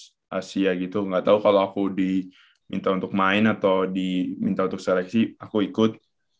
di asia gitu nggak tahu kalau aku diminta untuk main atau diminta untuk seleksi aku ikut